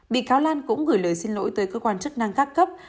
bị cáo lan cũng gửi lời xin lỗi tới cơ quan chức năng các cấp